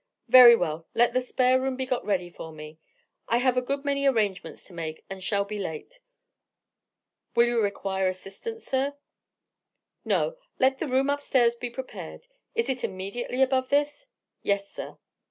"Very well; let the spare room be got ready for me. I have a good many arrangements to make, and shall be late." "Will you require assistance, sir?" "No. Let the room up stairs be prepared. Is it immediately above this?" "Yes, sir."